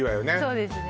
そうですね